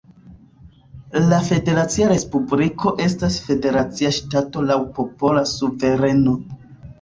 La Federacia Respubliko estas federacia ŝtato laŭ popola suvereno.